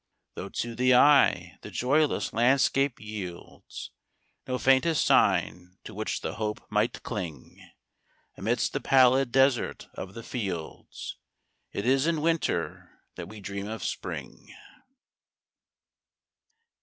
Though, to the eye, the joyless landscape yieldsNo faintest sign to which the hope might cling,—Amidst the pallid desert of the fields,—It is in Winter that we dream of Spring.